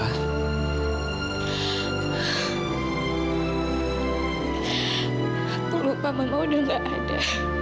aku lupa mama udah gak ada